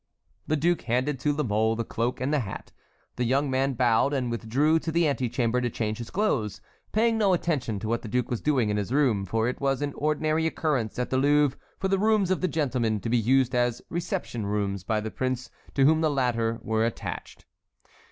The duke handed to La Mole the cloak and the hat. The young man bowed and withdrew to the antechamber to change his clothes, paying no attention to what the duke was doing in his room; for it was an ordinary occurrence at the Louvre for the rooms of the gentlemen to be used as reception rooms by the prince to whom the latter were attached.